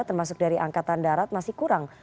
termasuk dari angkatan darat masih kurang